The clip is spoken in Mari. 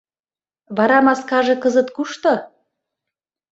— Вара маскаже кызыт кушто?